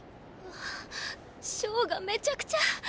ああショーがめちゃくちゃ。